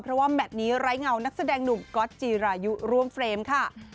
เพราะว่าแมทนี้ไร้เงานักแสดงหนุ่มก๊อตจีรายุร่วมเฟรมค่ะ